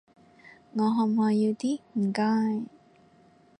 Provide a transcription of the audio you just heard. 我可唔可以要啲，唔該？